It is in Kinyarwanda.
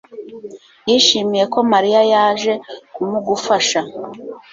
yishimiye ko mariya yaje kumugufasha